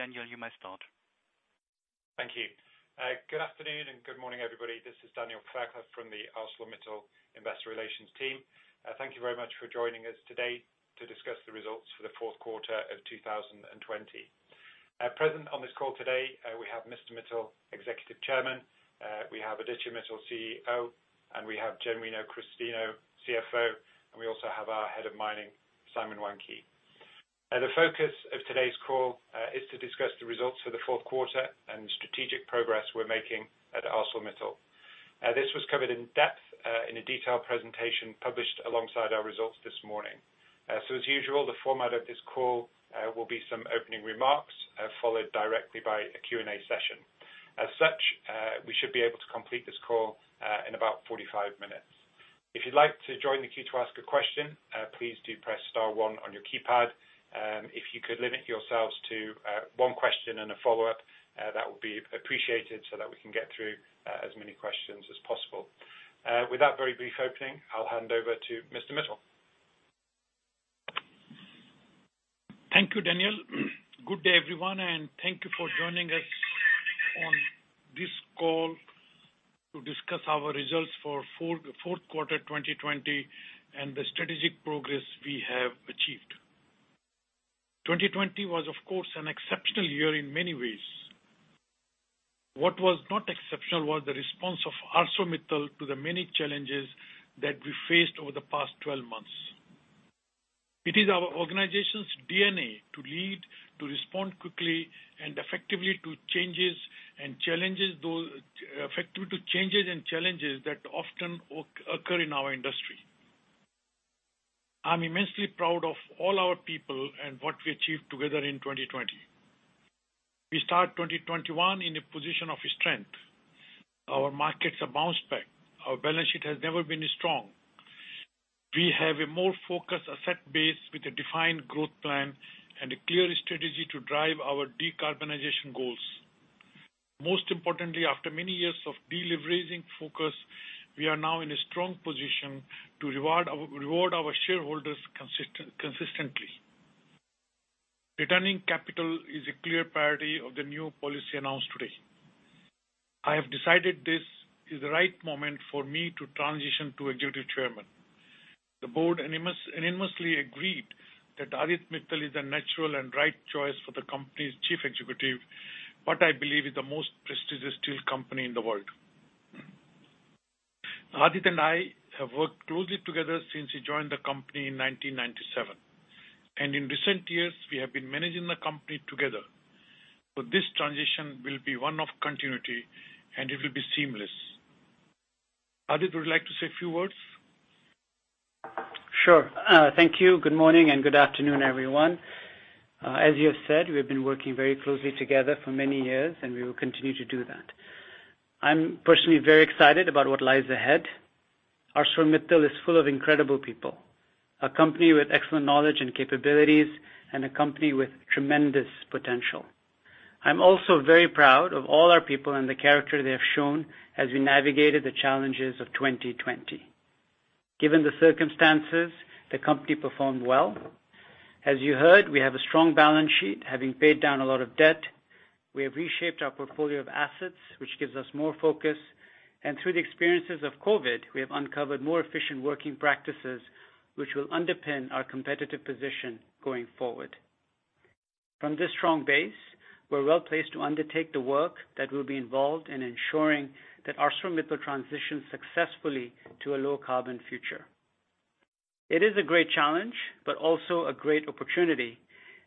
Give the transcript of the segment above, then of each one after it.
Daniel, you may start. Thank you. Good afternoon and good morning, everybody. This is Daniel Fairclough from the ArcelorMittal Investor Relations team. Thank you very much for joining us today to discuss the results for the fourth quarter of 2020. Present on this call today, we have Mr. Mittal, Executive Chairman, we have Aditya Mittal, CEO, and we have Genuino Christino, CFO, and we also have our Head of Mining, Simon Wandke. The focus of today's call is to discuss the results for the fourth quarter and the strategic progress we're making at ArcelorMittal. This was covered in depth in a detailed presentation published alongside our results this morning. As usual, the format of this call will be some opening remarks, followed directly by a Q&A session. As such, we should be able to complete this call in about 45 minutes. If you'd like to join the queue to ask a question, please do press star one on your keypad. If you could limit yourselves to one question and a follow-up, that would be appreciated so that we can get through as many questions as possible. With that very brief opening, I'll hand over to Mr. Mittal. Thank you, Daniel. Good day, everyone. Thank you for joining us on this call to discuss our results for fourth quarter 2020 and the strategic progress we have achieved. 2020 was, of course, an exceptional year in many ways. What was not exceptional was the response of ArcelorMittal to the many challenges that we faced over the past 12 months. It is our organization's DNA to lead, to respond quickly and effectively to changes and challenges that often occur in our industry. I'm immensely proud of all our people and what we achieved together in 2020. We start 2021 in a position of strength. Our markets have bounced back. Our balance sheet has never been this strong. We have a more focused asset base with a defined growth plan and a clear strategy to drive our decarbonization goals. Most importantly, after many years of deleveraging focus, we are now in a strong position to reward our shareholders consistently. Returning capital is a clear priority of the new policy announced today. I have decided this is the right moment for me to transition to Executive Chairman. The board unanimously agreed that Aditya Mittal is the natural and right choice for the company's Chief Executive, what I believe is the most prestigious steel company in the world. Aditya and I have worked closely together since he joined the company in 1997, and in recent years, we have been managing the company together. This transition will be one of continuity, and it will be seamless. Aditya, would you like to say a few words? Sure. Thank you. Good morning and good afternoon, everyone. As you have said, we have been working very closely together for many years, and we will continue to do that. I'm personally very excited about what lies ahead. ArcelorMittal is full of incredible people, a company with excellent knowledge and capabilities, and a company with tremendous potential. I'm also very proud of all our people and the character they have shown as we navigated the challenges of 2020. Given the circumstances, the company performed well. As you heard, we have a strong balance sheet, having paid down a lot of debt. We have reshaped our portfolio of assets, which gives us more focus, and through the experiences of COVID, we have uncovered more efficient working practices, which will underpin our competitive position going forward. From this strong base, we're well-placed to undertake the work that will be involved in ensuring that ArcelorMittal transitions successfully to a low-carbon future. It is a great challenge, but also a great opportunity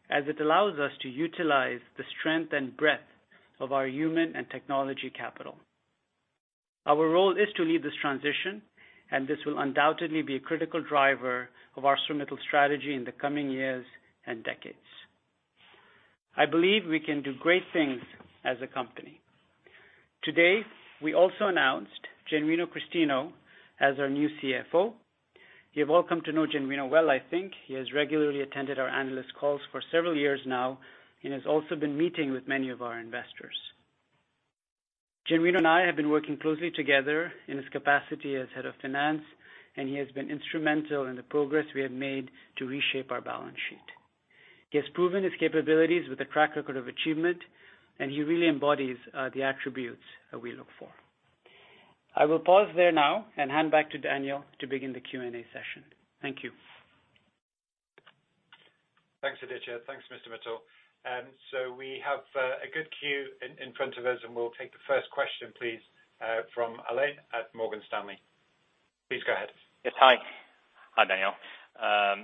as it allows us to utilize the strength and breadth of our human and technology capital. Our role is to lead this transition. This will undoubtedly be a critical driver of ArcelorMittal strategy in the coming years and decades. I believe we can do great things as a company. Today, we also announced Genuino Christino as our new CFO. You have all come to know Genuino well, I think. He has regularly attended our analyst calls for several years now and has also been meeting with many of our investors. I have been working closely together in his capacity as Head of Finance, and he has been instrumental in the progress we have made to reshape our balance sheet. He has proven his capabilities with a track record of achievement, and he really embodies the attributes that we look for. I will pause there now and hand back to Daniel to begin the Q&A session. Thank you. Thanks, Aditya. Thanks, Mr. Mittal. We have a good queue in front of us, and we'll take the first question, please, from Alain at Morgan Stanley. Please go ahead. Yes. Hi. Hi, Daniel.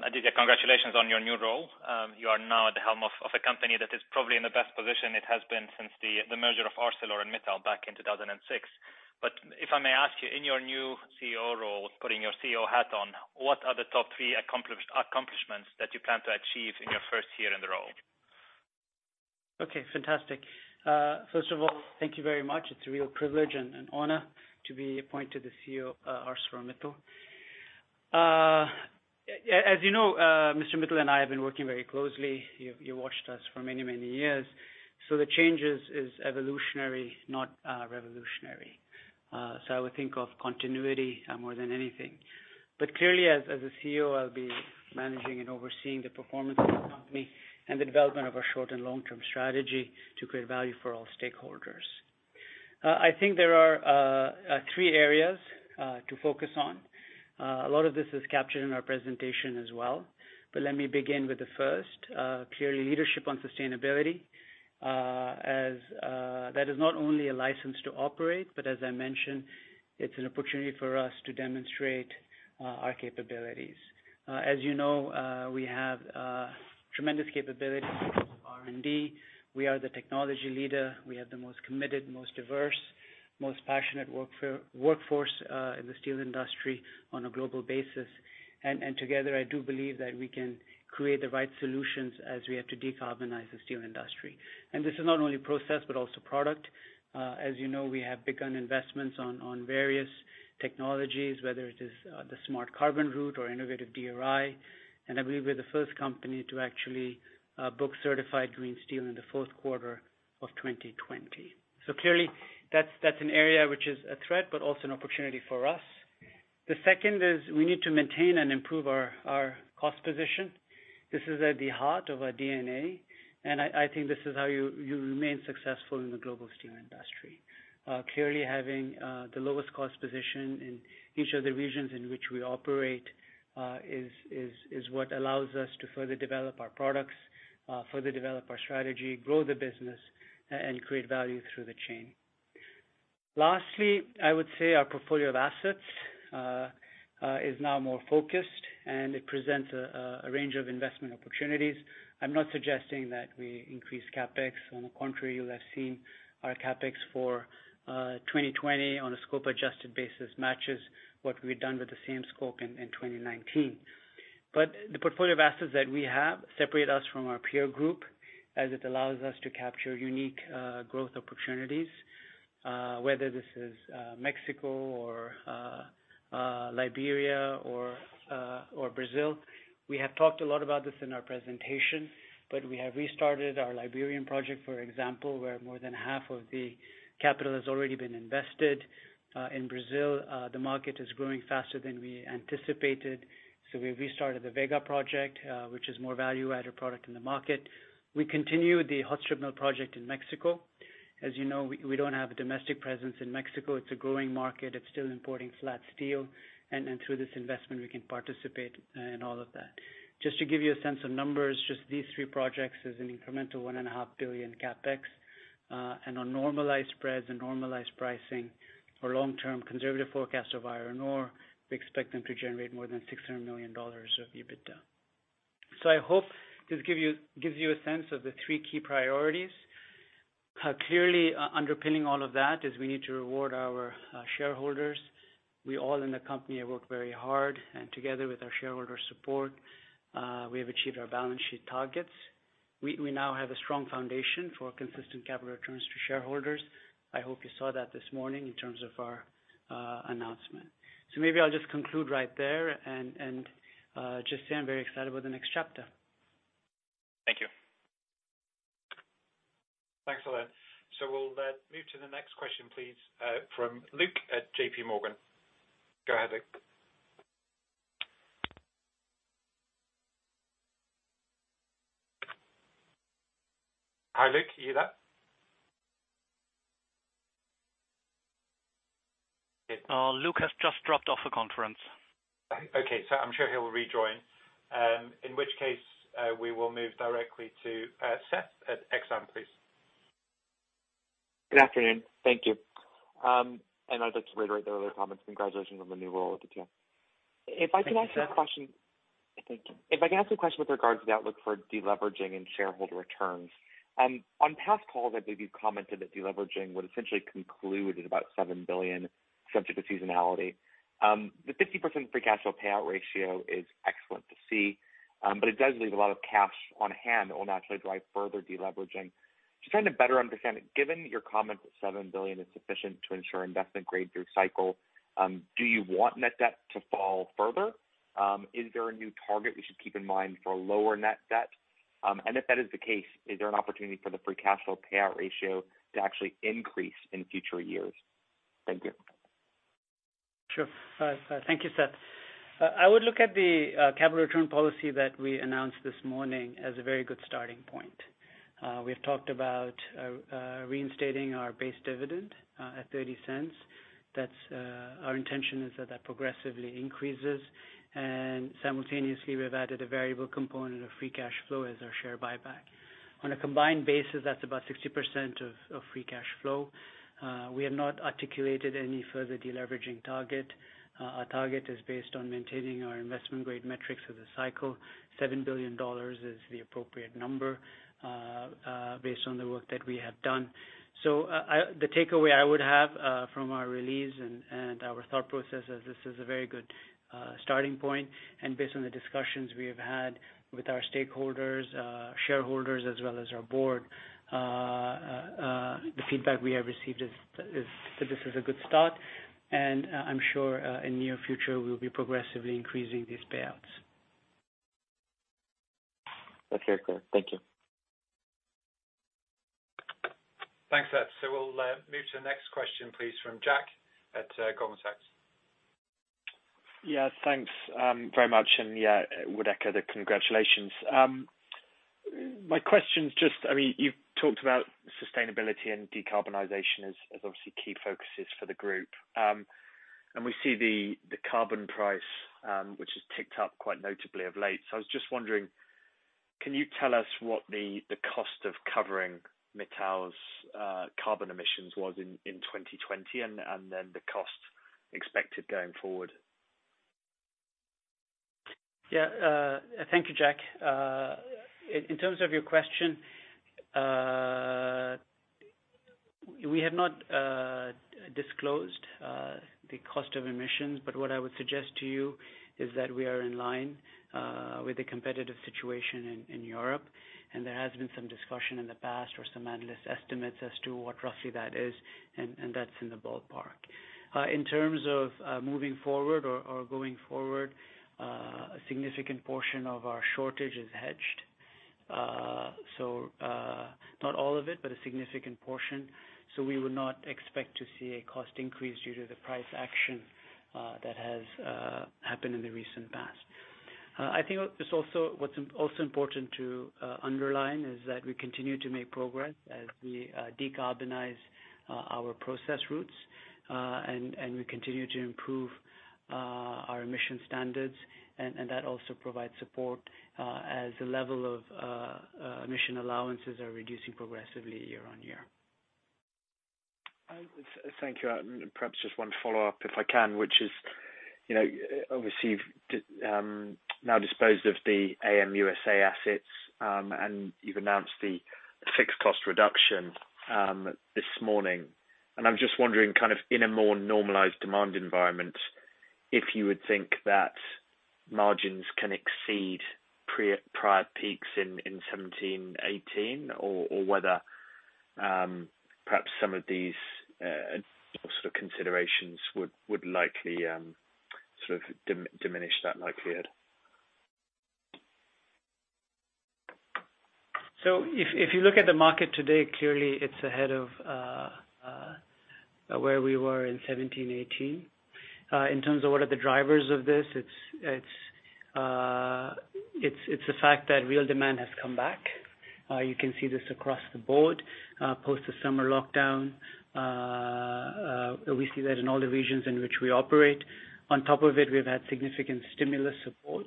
Aditya, congratulations on your new role. You are now at the helm of a company that is probably in the best position it has been since the merger of Arcelor and Mittal back in 2006. If I may ask you, in your new CEO role, putting your CEO hat on, what are the top three accomplishments that you plan to achieve in your first year in the role? Okay, fantastic. First of all, thank you very much. It's a real privilege and an honor to be appointed the CEO of ArcelorMittal. As you know, Mr. Mittal and I have been working very closely. You watched us for many, many years. The change is evolutionary, not revolutionary. I would think of continuity more than anything. Clearly, as a CEO, I'll be managing and overseeing the performance of the company and the development of our short and long-term strategy to create value for all stakeholders. I think there are three areas to focus on. A lot of this is captured in our presentation as well. Let me begin with the first, clearly leadership on sustainability, as that is not only a license to operate, but as I mentioned, it's an opportunity for us to demonstrate our capabilities. As you know, we have tremendous capabilities in terms of R&D. We are the technology leader. We have the most committed, most diverse, most passionate workforce in the steel industry on a global basis. Together, I do believe that we can create the right solutions as we have to decarbonize the steel industry. This is not only process, but also product. As you know, we have begun investments on various technologies, whether it is the Smart Carbon route or innovative DRI. I believe we're the first company to actually book certified green steel in the fourth quarter of 2020. Clearly that's an area which is a threat, but also an opportunity for us. The second is we need to maintain and improve our cost position. This is at the heart of our DNA. I think this is how you remain successful in the global steel industry. Clearly, having the lowest cost position in each of the regions in which we operate is what allows us to further develop our products, further develop our strategy, grow the business, and create value through the chain. Lastly, I would say our portfolio of assets is now more focused. It presents a range of investment opportunities. I'm not suggesting that we increase CapEx. On the contrary, you'll have seen our CapEx for 2020 on a scope-adjusted basis matches what we've done with the same scope in 2019. The portfolio of assets that we have separate us from our peer group, as it allows us to capture unique growth opportunities. Whether this is Mexico or Liberia or Brazil. We have talked a lot about this in our presentation, but we have restarted our Liberian project, for example, where more than half of the capital has already been invested. In Brazil, the market is growing faster than we anticipated, so we restarted the Vega project, which is more value-added product in the market. We continue the hot strip mill project in Mexico. As you know, we don't have a domestic presence in Mexico. It's a growing market. It's still importing flat steel. Through this investment, we can participate in all of that. Just to give you a sense of numbers, just these three projects is an incremental $1.5 billion CapEx. On normalized spreads and normalized pricing for long-term conservative forecast of iron ore, we expect them to generate more than $600 million of EBITDA. I hope this gives you a sense of the three key priorities. Clearly, underpinning all of that is we need to reward our shareholders. We all in the company have worked very hard, and together with our shareholder support, we have achieved our balance sheet targets. We now have a strong foundation for consistent capital returns to shareholders. I hope you saw that this morning in terms of our announcement. Maybe I'll just conclude right there and just say I'm very excited about the next chapter. Thank you. Thanks, Alain. We'll move to the next question, please, from Luke at JPMorgan. Go ahead, Luke. Hi, Luke. You there? Luke has just dropped off the conference. Okay. I'm sure he will rejoin. In which case, we will move directly to Seth at Exane, please. Good afternoon. Thank you. I'd like to reiterate the earlier comments. Congratulations on the new role, Aditya. Thanks, Seth. If I can ask a question with regards to the outlook for deleveraging and shareholder returns. On past calls, I believe you commented that deleveraging would essentially conclude at about $7 billion, subject to seasonality. The 50% free cash flow payout ratio is excellent to see, but it does leave a lot of cash on hand that will naturally drive further deleveraging. Just trying to better understand, given your comment that $7 billion is sufficient to ensure investment grade through cycle, do you want net debt to fall further? Is there a new target we should keep in mind for lower net debt? If that is the case, is there an opportunity for the free cash flow payout ratio to actually increase in future years? Thank you. Sure. Thank you, Seth. I would look at the capital return policy that we announced this morning as a very good starting point. We've talked about reinstating our base dividend at $0.30. Simultaneously, we've added a variable component of free cash flow as our share buyback. On a combined basis, that's about 60% of free cash flow. We have not articulated any further deleveraging target. Our target is based on maintaining our investment-grade metrics through the cycle. $7 billion is the appropriate number based on the work that we have done. The takeaway I would have from our release and our thought process is this is a very good starting point. Based on the discussions we have had with our stakeholders, shareholders, as well as our board, the feedback we have received is that this is a good start. I'm sure in near future, we'll be progressively increasing these payouts. That's very clear. Thank you. Thanks, Aditya. We'll move to the next question, please, from Jack at Goldman Sachs. Yeah. Thanks very much. Yeah, would echo the congratulations. My question is just, you've talked about sustainability and decarbonization as obviously key focuses for the group. We see the carbon price, which has ticked up quite notably of late. I was just wondering, can you tell us what the cost of covering Mittal's carbon emissions was in 2020, and then the cost expected going forward? Thank you, Jack. In terms of your question, we have not disclosed the cost of emissions. What I would suggest to you is that we are in line with the competitive situation in Europe. There has been some discussion in the past or some analyst estimates as to what roughly that is, and that's in the ballpark. In terms of moving forward or going forward, a significant portion of our shortage is hedged, not all of it, but a significant portion. We would not expect to see a cost increase due to the price action that has happened in the recent past. I think what's also important to underline is that we continue to make progress as we decarbonize our process routes, and we continue to improve our emission standards, and that also provides support as the level of emission allowances are reducing progressively year on year. Thank you. Perhaps just one follow-up, if I can, which is, obviously you've now disposed of the ArcelorMittal USA assets, and you've announced the fixed cost reduction this morning. I'm just wondering kind of in a more normalized demand environment, if you would think that margins can exceed prior peaks in 2017, 2018, or whether perhaps some of these sort of considerations would likely sort of diminish that likelihood? If you look at the market today, clearly it's ahead of where we were in 2017, 2018. In terms of what are the drivers of this, it's the fact that real demand has come back. You can see this across the board post the summer lockdown. We see that in all the regions in which we operate. On top of it, we've had significant stimulus support.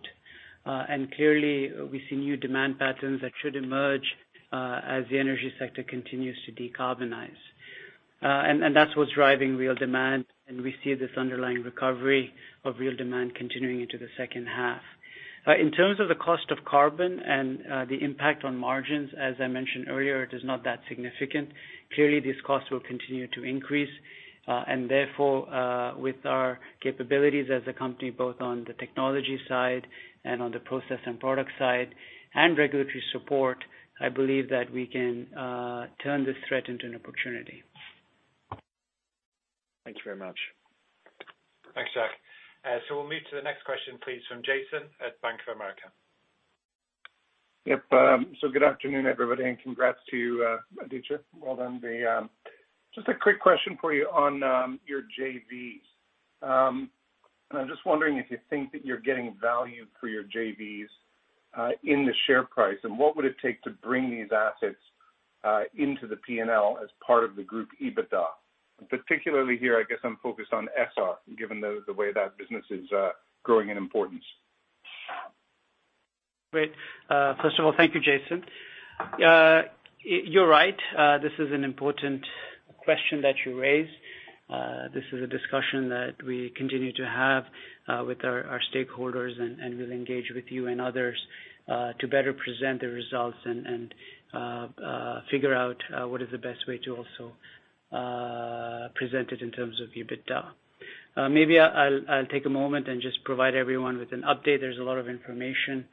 Clearly, we see new demand patterns that should emerge as the energy sector continues to decarbonize. That's what's driving real demand, and we see this underlying recovery of real demand continuing into the second half. In terms of the cost of carbon and the impact on margins, as I mentioned earlier, it is not that significant. Clearly, these costs will continue to increase. Therefore, with our capabilities as a company, both on the technology side and on the process and product side and regulatory support, I believe that we can turn this threat into an opportunity. Thanks very much. Thanks, Jack. We'll move to the next question, please, from Jason at Bank of America. Yep. Good afternoon, everybody, and congrats to Aditya. Well done. Just a quick question for you on your JVs. I'm just wondering if you think that you're getting value for your JVs in the share price, and what would it take to bring these assets into the P&L as part of the group EBITDA? Particularly here, I guess I'm focused on Essar, given the way that business is growing in importance. Great. First of all, thank you, Jason. You're right. This is an important question that you raised. This is a discussion that we continue to have with our stakeholders. We'll engage with you and others to better present the results and figure out what is the best way to also present it in terms of EBITDA. Maybe I'll take a moment and just provide everyone with an update. There's a lot of information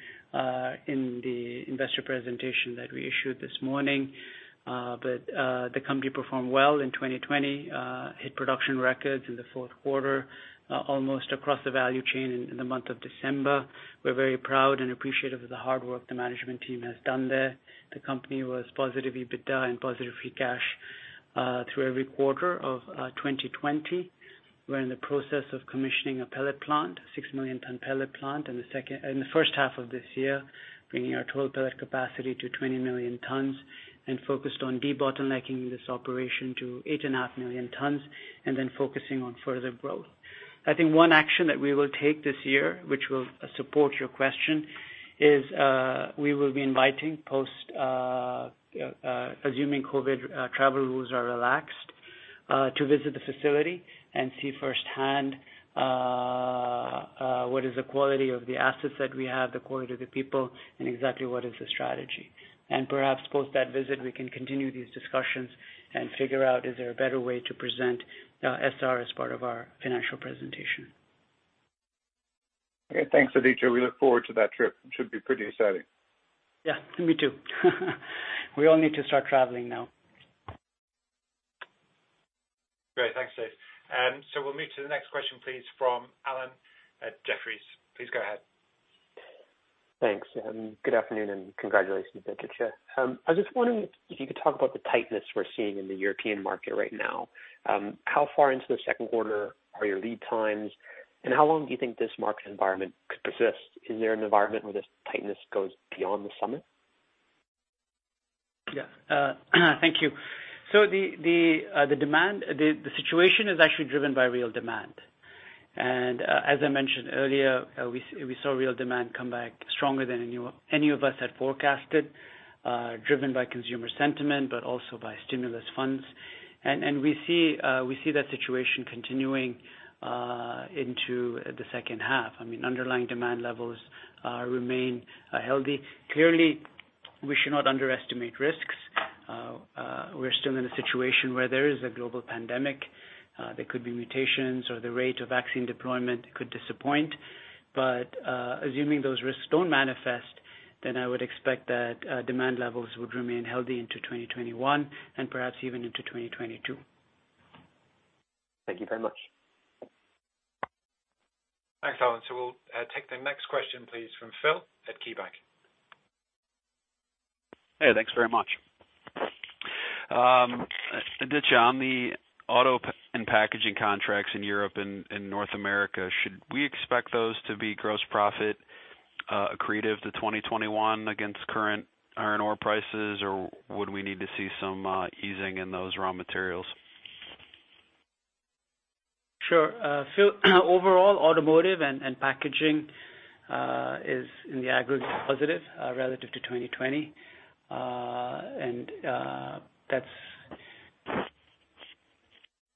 in the investor presentation that we issued this morning. The company performed well in 2020, hit production records in the fourth quarter, almost across the value chain in the month of December. We're very proud and appreciative of the hard work the management team has done there. The company was positive EBITDA and positive free cash through every quarter of 2020. We're in the process of commissioning a pellet plant, a 6 million ton pellet plant in the first half of this year, bringing our total pellet capacity to 20 million tons, and focused on debottlenecking this operation to 8.5 million tons, and then focusing on further growth. I think one action that we will take this year, which will support your question, is we will be inviting assuming COVID travel rules are relaxed, to visit the facility and see firsthand what is the quality of the assets that we have, the quality of the people, and exactly what is the strategy. Perhaps post that visit, we can continue these discussions and figure out is there a better way to present Essar as part of our financial presentation. Okay. Thanks, Aditya. We look forward to that trip. It should be pretty exciting. Yeah. Me too. We all need to start traveling now. We'll move to the next question, please, from Alan at Jefferies. Please go ahead. Thanks. Good afternoon, and congratulations, Aditya. I was just wondering if you could talk about the tightness we're seeing in the European market right now. How far into the second quarter are your lead times, and how long do you think this market environment could persist? Is there an environment where this tightness goes beyond the summer? Thank you. The situation is actually driven by real demand. As I mentioned earlier, we saw real demand come back stronger than any of us had forecasted, driven by consumer sentiment, but also by stimulus funds. We see that situation continuing into the second half. Underlying demand levels remain healthy. Clearly, we should not underestimate risks. We're still in a situation where there is a global pandemic. There could be mutations, or the rate of vaccine deployment could disappoint. Assuming those risks don't manifest, then I would expect that demand levels would remain healthy into 2021 and perhaps even into 2022. Thank you very much. Thanks, Alan. We'll take the next question, please, from Philip at KeyBanc. Hey, thanks very much. Aditya, on the auto and packaging contracts in Europe and North America, should we expect those to be gross profit accretive to 2021 against current iron ore prices, or would we need to see some easing in those raw materials? Sure. Phil, overall automotive and packaging is in the aggregate positive relative to 2020.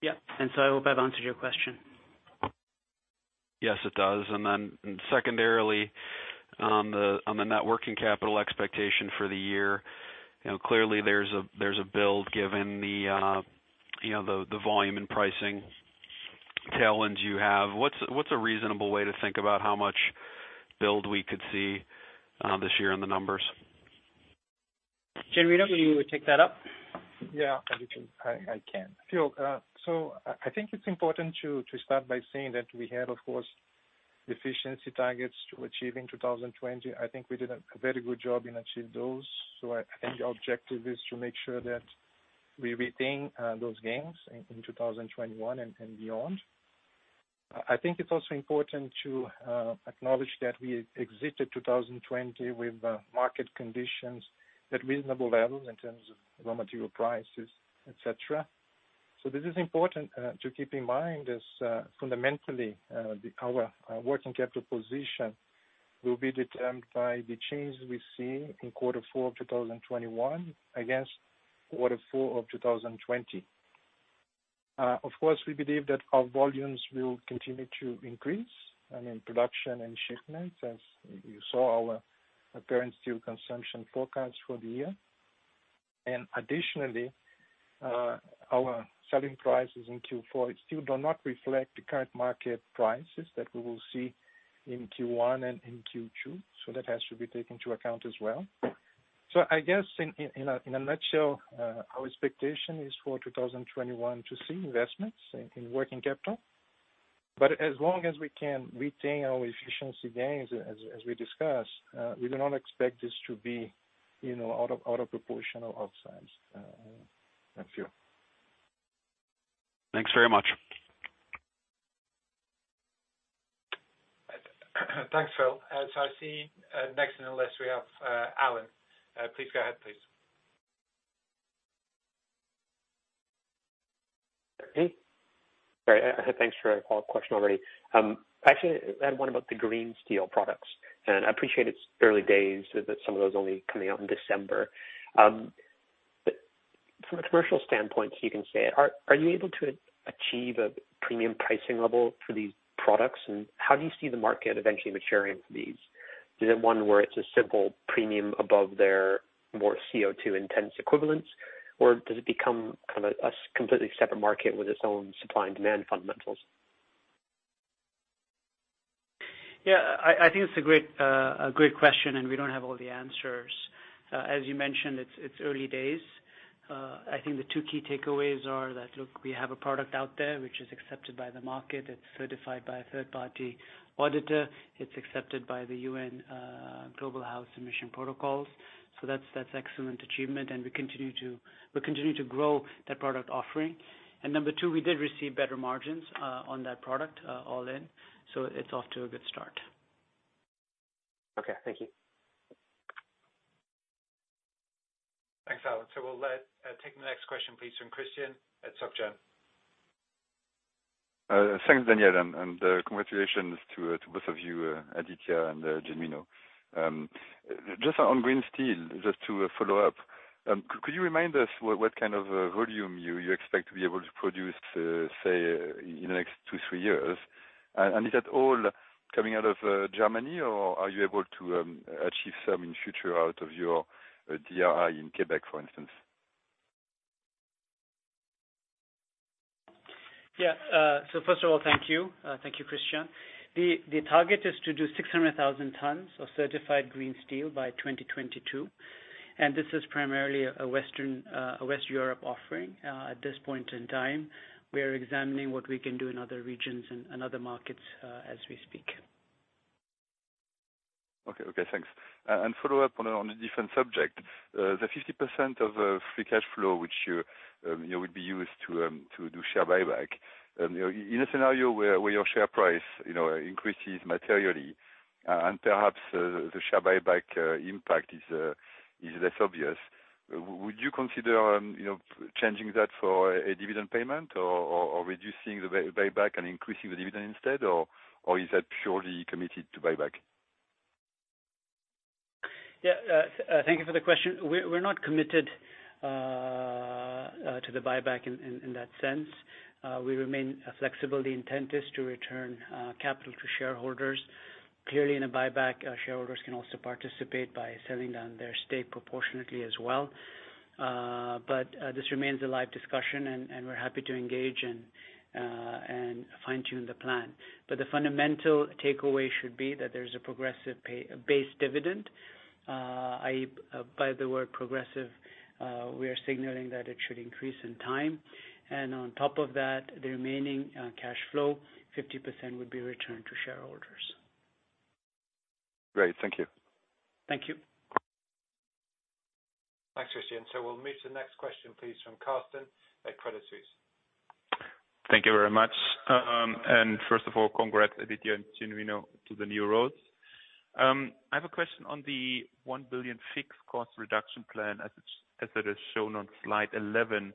Yeah. I hope I've answered your question. Yes, it does. Secondarily, on the net working capital expectation for the year, clearly there's a build given the volume and pricing tailwinds you have. What's a reasonable way to think about how much build we could see this year on the numbers? Genuino, will you take that up? Yeah, Aditya. I can. Phil, I think it's important to start by saying that we had, of course, efficiency targets to achieve in 2020. I think we did a very good job in achieve those. I think the objective is to make sure that we retain those gains in 2021 and beyond. I think it's also important to acknowledge that we exited 2020 with market conditions at reasonable levels in terms of raw material prices, et cetera. This is important to keep in mind as fundamentally, our working capital position will be determined by the changes we see in quarter four of 2021 against quarter four of 2020. Of course, we believe that our volumes will continue to increase, I mean, production and shipments, as you saw our apparent steel consumption forecast for the year. Additionally, our selling prices in Q4 still do not reflect the current market prices that we will see in Q1 and in Q2. That has to be taken into account as well. I guess, in a nutshell, our expectation is for 2021 to see investments in working capital. As long as we can retain our efficiency gains, as we discussed, we do not expect this to be out of proportion or out of sight. Thanks, Phil. Thanks very much. Thanks, Phil. I see next on the list we have Alan. Please go ahead, please. Okay. All right. Thanks for that question already. Actually, I had one about the green steel products, and I appreciate it's early days, that some of those are only coming out in December. From a commercial standpoint, so you can say, are you able to achieve a premium pricing level for these products? How do you see the market eventually maturing for these? Is it one where it's a simple premium above their more CO2-intense equivalents, or does it become kind of a completely separate market with its own supply and demand fundamentals? Yeah, I think it's a great question, and we don't have all the answers. As you mentioned, it's early days. I think the two key takeaways are that, look, we have a product out there which is accepted by the market. It's certified by a third-party auditor. It's accepted by the Greenhouse Gas Protocol. That's excellent achievement, and we continue to grow that product offering. Number two, we did receive better margins on that product, all in, so it's off to a good start. Okay. Thank you. Thanks, Alan. We'll take the next question, please, from Christian at SocGen. Thanks, Daniel. Congratulations to both of you, Aditya and Genuino. On green steel, just to follow up. Could you remind us what kind of volume you expect to be able to produce, say, in the next two, three years? Is that all coming out of Germany, or are you able to achieve some in future out of your DRI in Quebec, for instance? Yeah. First of all, thank you. Thank you, Christian. The target is to do 600,000 tons of certified green steel by 2022. This is primarily a West Europe offering at this point in time. We are examining what we can do in other regions and other markets as we speak. Okay, thanks. Follow up on a different subject. The 50% of free cash flow, which would be used to do share buyback. In a scenario where your share price increases materially, and perhaps the share buyback impact is less obvious, would you consider changing that for a dividend payment or reducing the buyback and increasing the dividend instead, or is that purely committed to buyback? Yeah. Thank you for the question. We're not committed to the buyback in that sense. We remain flexible. The intent is to return capital to shareholders. Clearly, in a buyback, shareholders can also participate by selling down their stake proportionately as well. This remains a live discussion, and we're happy to engage and fine-tune the plan. The fundamental takeaway should be that there's a progressive base dividend. By the word progressive, we are signaling that it should increase in time. On top of that, the remaining cash flow, 50% would be returned to shareholders. Great. Thank you. Thank you. Thanks, Christian. We'll move to the next question, please, from Carsten at Credit Suisse. Thank you very much. First of all, congrats, Aditya and Genuino, to the new roles. I have a question on the $1 billion fixed cost reduction plan as it is shown on slide 11.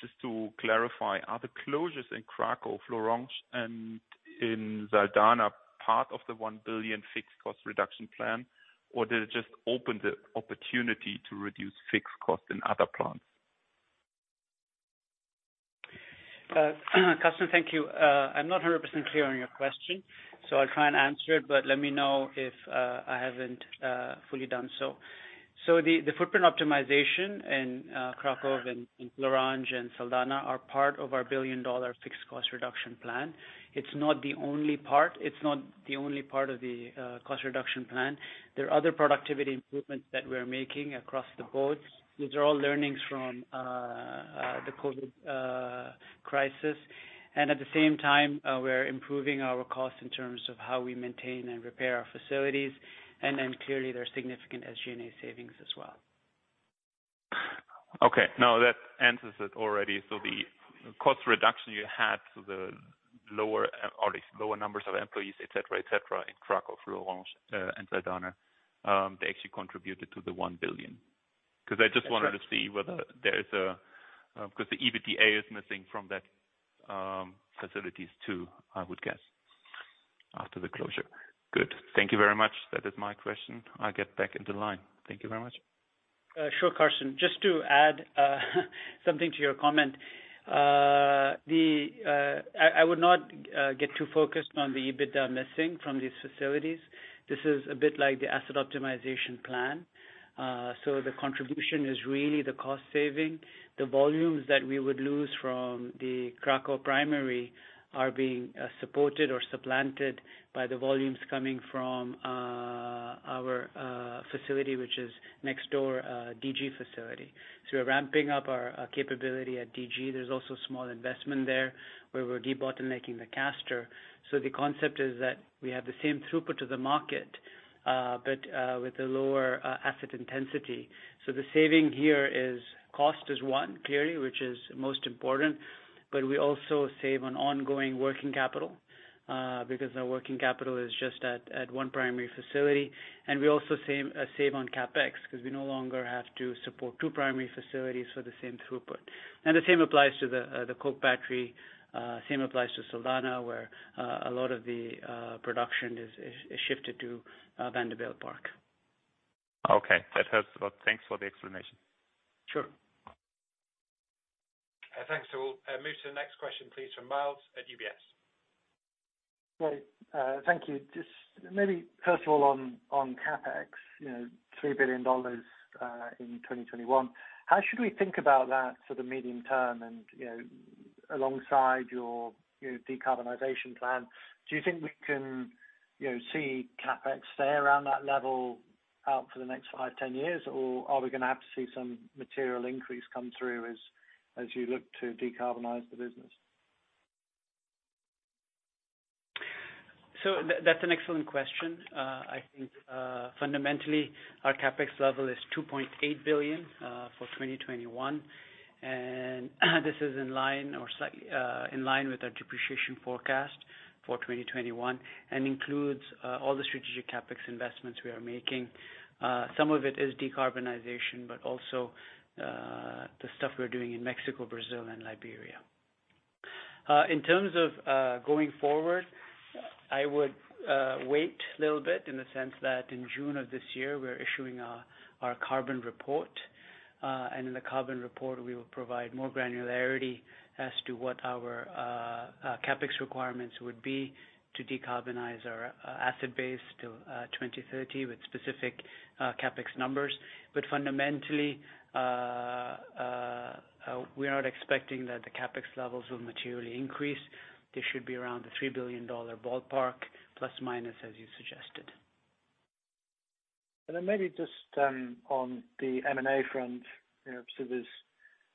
Just to clarify, are the closures in Kraków, Florange, and in Saldanha part of the $1 billion fixed cost reduction plan, or did it just open the opportunity to reduce fixed cost in other plants? Carsten, thank you. I'm not 100% clear on your question, I'll try and answer it, but let me know if I haven't fully done so. The footprint optimization in Kraków and in Florange and Saldanha are part of our billion-dollar fixed cost reduction plan. It's not the only part of the cost reduction plan. There are other productivity improvements that we're making across the board. These are all learnings from the COVID crisis. At the same time, we're improving our costs in terms of how we maintain and repair our facilities. Clearly, there are significant SG&A savings as well. Okay. No, that answers it already. The cost reduction you had, so the lower numbers of employees, et cetera, et cetera, in Kraków, Florange, and Saldanha, they actually contributed to the 1 billion. The EBITDA is missing from that facilities too, I would guess, after the closure. Good. Thank you very much. That is my question. I'll get back into line. Thank you very much. Sure, Carsten. Just to add something to your comment. I would not get too focused on the EBITDA missing from these facilities. This is a bit like the asset optimization plan. The contribution is really the cost saving. The volumes that we would lose from the Kraków primary are being supported or supplanted by the volumes coming from our facility, which is next door, DG facility. We're ramping up our capability at DG. There's also a small investment there where we're debottlenecking the caster. The concept is that we have the same throughput to the market, but with a lower asset intensity. The saving here is cost is one, clearly, which is most important, but we also save on ongoing working capital, because now working capital is just at one primary facility. We also save on CapEx because we no longer have to support two primary facilities for the same throughput. The same applies to the coke battery, same applies to Saldanha, where a lot of the production is shifted to Vanderbijlpark. Okay. That helps a lot. Thanks for the explanation. Sure. Thanks to all. Move to the next question, please, from Myles at UBS. Great. Thank you. Just maybe first of all on CapEx, $3 billion in 2021. How should we think about that sort of medium term and alongside your decarbonization plan? Do you think we can see CapEx stay around that level out for the next five, 10 years? Are we going to have to see some material increase come through as you look to decarbonize the business? That's an excellent question. I think fundamentally, our CapEx level is $2.8 billion for 2021, and this is in line with our depreciation forecast for 2021 and includes all the strategic CapEx investments we are making. Some of it is decarbonization, but also the stuff we're doing in Mexico, Brazil, and Liberia. In terms of going forward, I would wait a little bit in the sense that in June of this year, we're issuing our carbon report. In the carbon report, we will provide more granularity as to what our CapEx requirements would be to decarbonize our asset base till 2030 with specific CapEx numbers. Fundamentally, we are not expecting that the CapEx levels will materially increase. They should be around the $3 billion ballpark, plus or minus, as you suggested. Maybe just on the M&A front, there are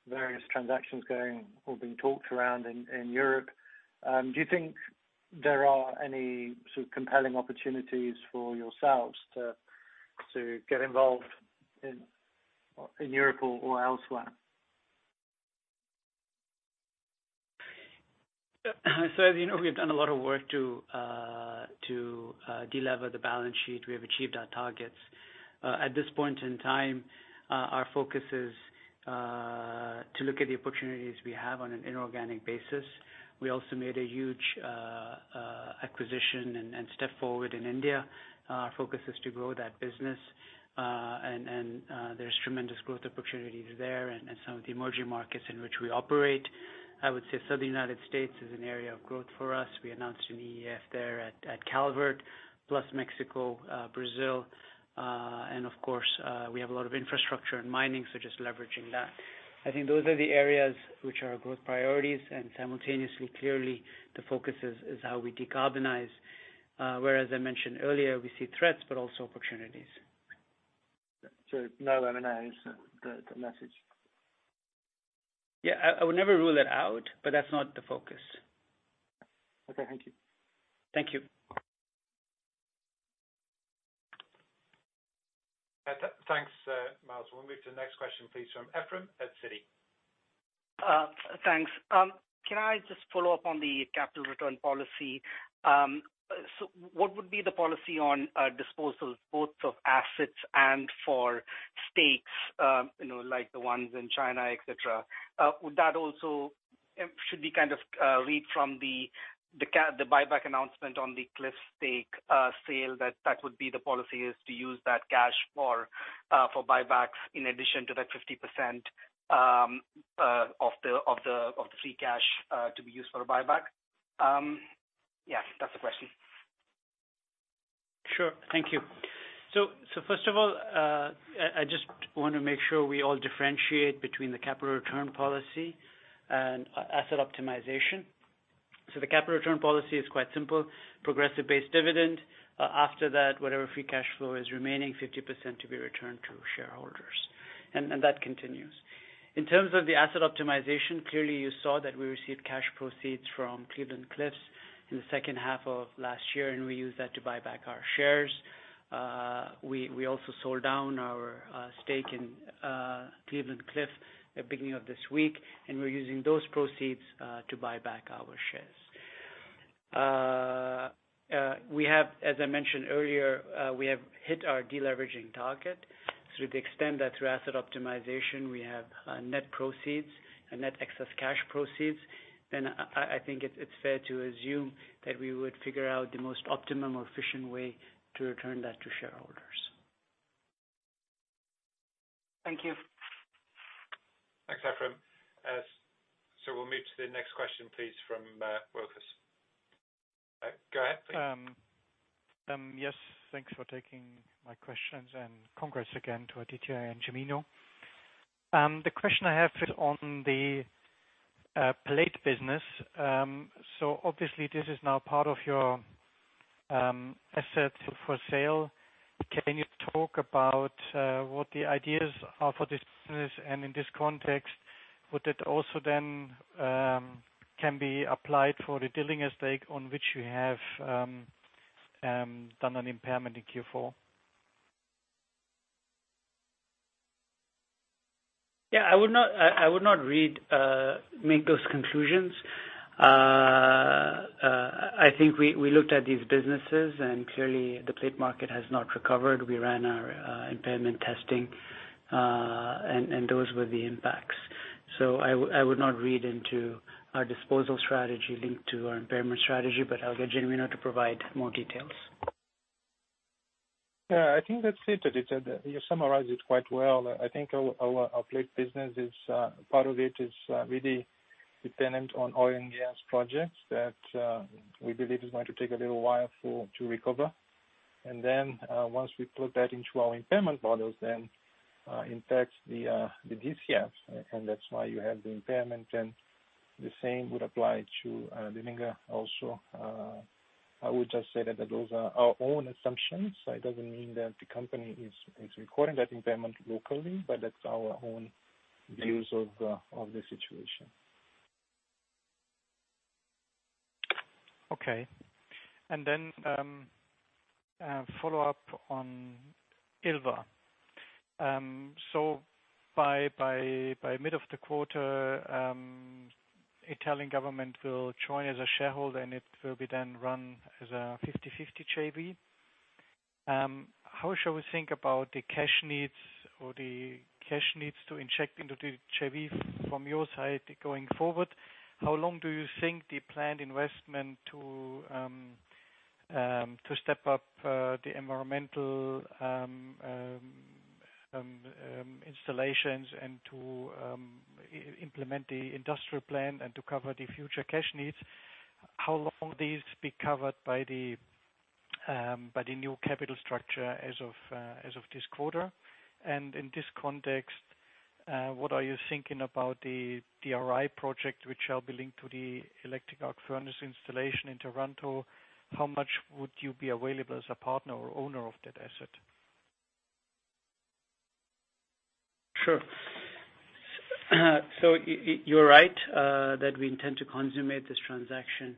various transactions going or being talked around in Europe. Do you think there are any sort of compelling opportunities for yourselves to get involved in Europe or elsewhere? As you know, we've done a lot of work to de-lever the balance sheet. We have achieved our targets. At this point in time, our focus is to look at the opportunities we have on an inorganic basis. We also made a huge acquisition and step forward in India. Our focus is to grow that business. There's tremendous growth opportunities there and some of the emerging markets in which we operate. I would say Southern U.S. is an area of growth for us. We announced an EAF there at Calvert, plus Mexico, Brazil, and of course, we have a lot of infrastructure and mining, so just leveraging that. I think those are the areas which are our growth priorities. Simultaneously, clearly, the focus is how we decarbonize, where, as I mentioned earlier, we see threats but also opportunities. No M&A is the message? Yeah. I would never rule it out, but that's not the focus. Okay. Thank you. Thank you. Thanks, Myles. We'll move to the next question, please, from Ephrem at Citi. Thanks. Can I just follow up on the capital return policy? What would be the policy on disposals, both of assets and for stakes, like the ones in China, et cetera? Should we kind of read from the buyback announcement on the Cliffs stake sale, that that would be the policy is to use that cash for buybacks in addition to that 50% of the free cash to be used for a buyback? Yeah, that's the question. Sure. Thank you. First of all, I just want to make sure we all differentiate between the capital return policy and asset optimization. The capital return policy is quite simple, progressive base dividend. After that, whatever free cash flow is remaining, 50% to be returned to shareholders. That continues. In terms of the asset optimization, clearly you saw that we received cash proceeds from Cleveland-Cliffs in the second half of last year, we used that to buy back our shares. We also sold down our stake in Cleveland-Cliffs at the beginning of this week, we're using those proceeds to buy back our shares. As I mentioned earlier, we have hit our de-leveraging target. To the extent that through asset optimization we have net proceeds and net excess cash proceeds, I think it's fair to assume that we would figure out the most optimum or efficient way to return that to shareholders. Thank you. Thanks, Ephrem. We'll move to the next question, please, from [Wilkins]. Go ahead, please. Yes. Thanks for taking my questions and congrats again to Aditya and Genuino. The question I have is on the plate business. Obviously this is now part of your assets for sale. Can you talk about what the ideas are for this business and in this context, would it also then can be applied for the Dillinger stake on which you have done an impairment in Q4? Yeah, I would not make those conclusions. I think we looked at these businesses and clearly the plate market has not recovered. We ran our impairment testing, and those were the impacts. I would not read into our disposal strategy linked to our impairment strategy. I'll get Genuino to provide more details. Yeah, I think that's it, Aditya. You summarized it quite well. I think our plate business, part of it is really dependent on oil and gas projects that we believe is going to take a little while to recover. Once we put that into our impairment models, then impacts the DCF, and that's why you have the impairment and the same would apply to Dillinger also. I would just say that those are our own assumptions. It doesn't mean that the company is recording that impairment locally, but that's our own views of the situation. Okay. Then a follow-up on Ilva. By mid of the quarter, Italian government will join as a shareholder, and it will be then run as a 50/50 JV. How shall we think about the cash needs or the cash needs to inject into the JV from your side going forward? How long do you think the planned investment to step up the environmental installations and to implement the industrial plan and to cover the future cash needs, how long these be covered by the new capital structure as of this quarter. In this context, what are you thinking about the DRI project, which shall be linked to the electric arc furnace installation in Taranto? How much would you be available as a partner or owner of that asset? Sure. You're right that we intend to consummate this transaction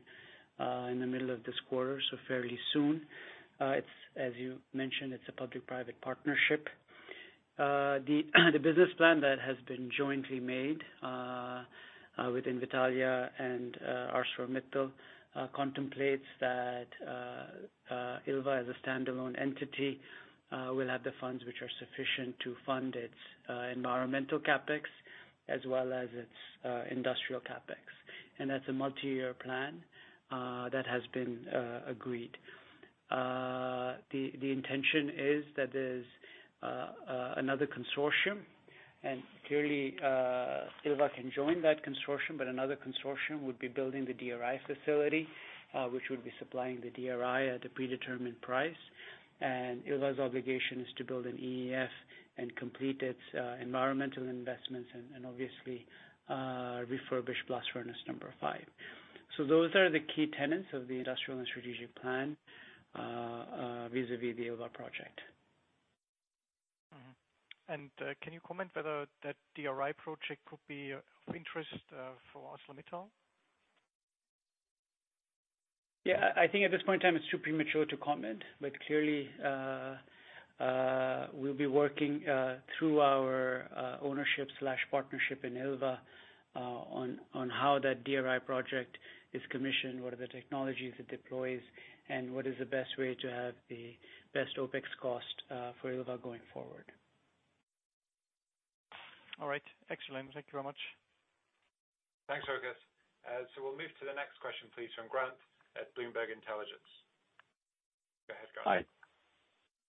in the middle of this quarter, so fairly soon. As you mentioned, it's a public-private partnership. The business plan that has been jointly made, with Invitalia and ArcelorMittal, contemplates that Ilva as a standalone entity, will have the funds which are sufficient to fund its environmental CapEx as well as its industrial CapEx. That's a multi-year plan that has been agreed. The intention is that there's another consortium and clearly, Ilva can join that consortium, but another consortium would be building the DRI facility, which would be supplying the DRI at a predetermined price. Ilva's obligation is to build an EAF and complete its environmental investments and obviously, refurbish blast furnace number 5. Those are the key tenets of the industrial and strategic plan vis-a-vis the Ilva project. Mm-hmm. Can you comment whether that DRI project could be of interest for ArcelorMittal? Yeah. I think at this point in time it's too premature to comment. Clearly, we'll be working through our ownership/partnership in Ilva, on how that DRI project is commissioned, what are the technologies it deploys, and what is the best way to have the best OpEx cost for Ilva going forward. All right. Excellent. Thank you very much. Thanks, [Lucas]. We'll move to the next question, please, from Grant at Bloomberg Intelligence. Go ahead, Grant. Hi.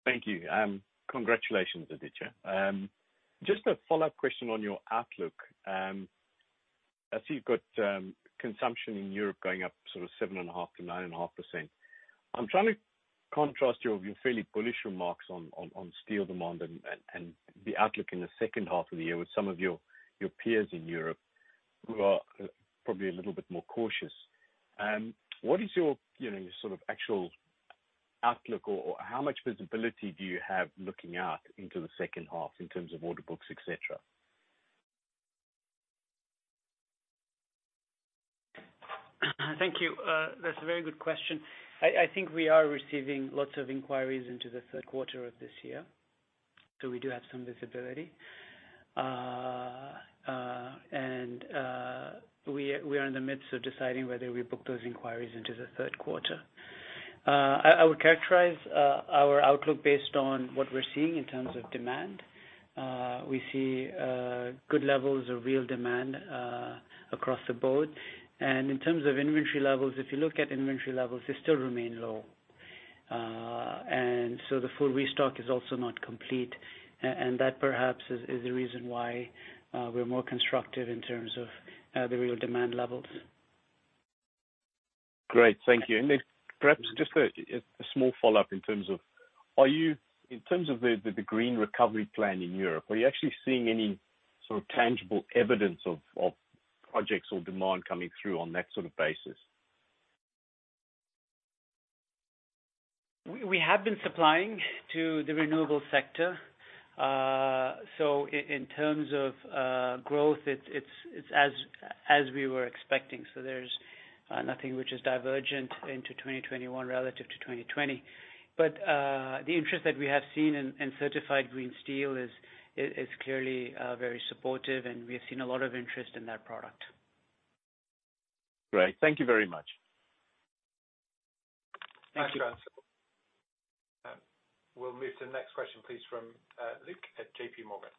Thank you. Congratulations, Aditya. Just a follow-up question on your outlook. I see you've got consumption in Europe going up sort of 7.5%-9.5%. I'm trying to contrast your fairly bullish remarks on steel demand and the outlook in the second half of the year with some of your peers in Europe who are probably a little bit more cautious. What is your sort of actual outlook, or how much visibility do you have looking out into the second half in terms of order books, et cetera? Thank you. That's a very good question. I think we are receiving lots of inquiries into the third quarter of this year. We do have some visibility. We are in the midst of deciding whether we book those inquiries into the third quarter. I would characterize our outlook based on what we're seeing in terms of demand. We see good levels of real demand across the board. In terms of inventory levels, if you look at inventory levels, they still remain low. The full restock is also not complete. That perhaps is the reason why we're more constructive in terms of the real demand levels. Great. Thank you. Perhaps just a small follow-up in terms of the green recovery plan in Europe, are you actually seeing any sort of tangible evidence of projects or demand coming through on that sort of basis? We have been supplying to the renewable sector. In terms of growth, it's as we were expecting. There's nothing which is divergent into 2021 relative to 2020. The interest that we have seen in certified green steel is clearly very supportive, and we have seen a lot of interest in that product. Great. Thank you very much. Thank you. Thanks, Grant. We'll move to the next question, please, from Luke at JPMorgan.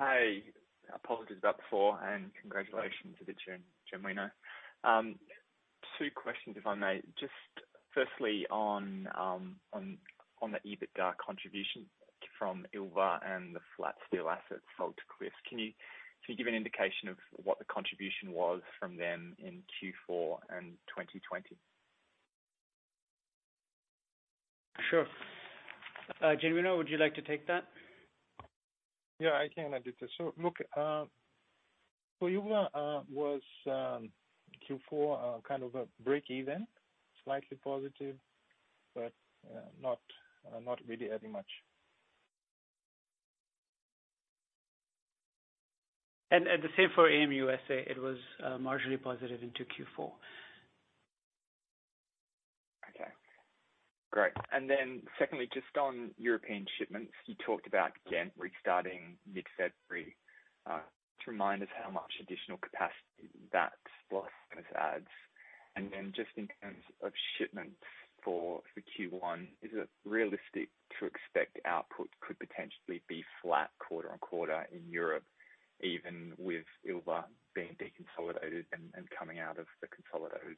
Hey. Apologies about before, and congratulations, Aditya and Genuino. Two questions, if I may. Just firstly on the EBITDA contribution from Ilva and the flat steel assets sold to [Quis]. Can you give an indication of what the contribution was from them in Q4 and 2020? Sure. Genuino, would you like to take that? Yeah, I can, Aditya. Luke, for Ilva, was Q4 kind of a break even, slightly positive, but not really adding much? The same for AM USA. It was marginally positive into Q4. Okay. Great. Secondly, just on European shipments, you talked about Ghent restarting mid-February. Just remind us how much additional capacity that blast furnace adds. Just in terms of shipments for Q1, is it realistic to expect output could potentially be flat quarter-on-quarter in Europe, even with Ilva being deconsolidated and coming out of the consolidated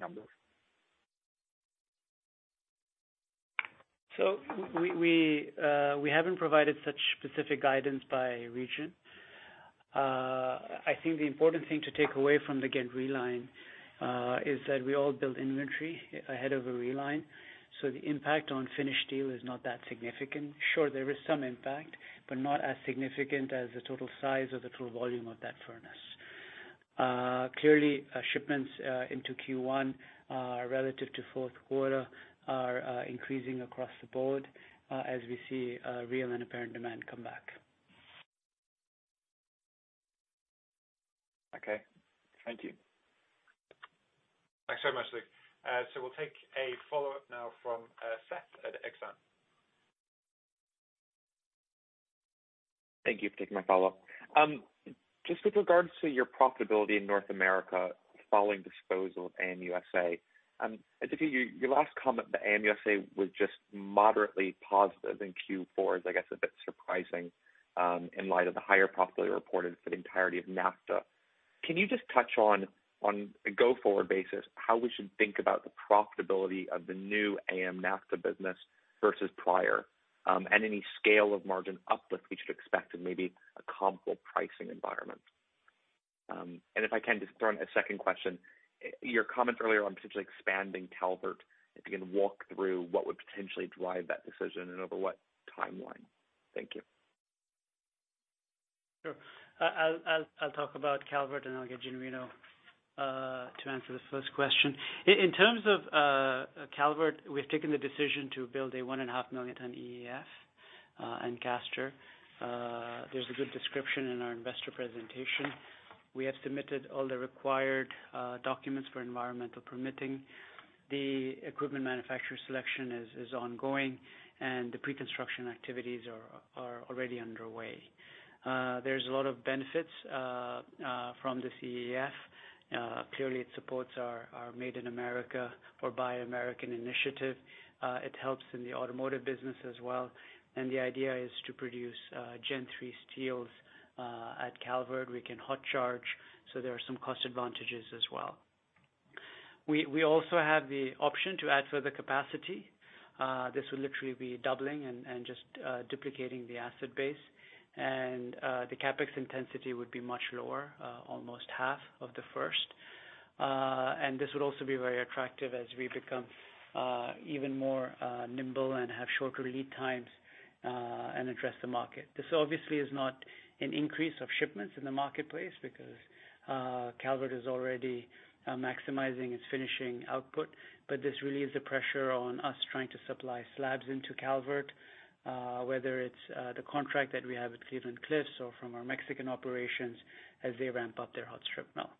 numbers? We haven't provided such specific guidance by region. I think the important thing to take away from the Ghent reline is that we all build inventory ahead of a reline, so the impact on finished steel is not that significant. Sure, there is some impact, but not as significant as the total size or the total volume of that furnace. Shipments into Q1 relative to fourth quarter are increasing across the board as we see real and apparent demand come back. Okay. Thank you. Thanks so much, Luke. We'll take a follow-up now from Seth at Exane. Thank you for taking my follow-up. Just with regards to your profitability in North America following disposal of ArcelorMittal USA. Aditya, your last comment that ArcelorMittal USA was just moderately positive in Q4 is, I guess, a bit surprising in light of the higher profitability reported for the entirety of NAFTA. Can you just touch on a go-forward basis, how we should think about the profitability of the new ArcelorMittal NAFTA business versus prior? Any scale of margin uplift we should expect in maybe a comparable pricing environment? If I can just throw in a second question, your comment earlier on potentially expanding Calvert, if you can walk through what would potentially drive that decision and over what timeline. Thank you. Sure. I'll talk about Calvert, and I'll get Genuino to answer the first question. In terms of Calvert, we've taken the decision to build a 1.5 million ton EAF in Calvert. There's a good description in our investor presentation. We have submitted all the required documents for environmental permitting. The equipment manufacturer selection is ongoing, and the pre-construction activities are already underway. There's a lot of benefits from the EAF. Clearly, it supports our Made in America or Buy American initiative. It helps in the automotive business as well, and the idea is to produce Gen 3 steels at Calvert. We can hot charge, so there are some cost advantages as well. We also have the option to add further capacity. This will literally be doubling and just duplicating the asset base. The CapEx intensity would be much lower, almost half of the first. This would also be very attractive as we become even nimbler and have shorter lead times and address the market. This obviously is not an increase of shipments in the marketplace because Calvert is already maximizing its finishing output. This relieves the pressure on us trying to supply slabs into Calvert, whether it's the contract that we have at Cleveland-Cliffs or from our Mexican operations as they ramp up their hot strip mill.